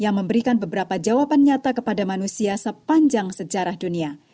dan memberikan beberapa jawaban nyata kepada manusia sepanjang sejarah dunia